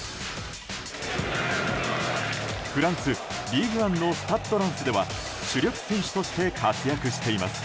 フランス、リーグ・アンのスタッド・ランスでは主力選手として活躍しています。